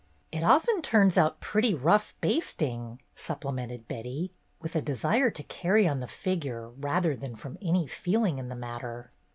"It often turns out pretty rough basting," supplemented Betty, with a desire to carry on the figure rather than from any feeling in the matter.